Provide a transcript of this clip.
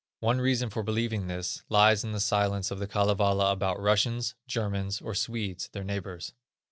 One reason for believing this, lies in the silence of the Kalevala about Russians, Germans, or Swedes, their neighbors.